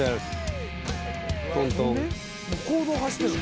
公道走ってんの？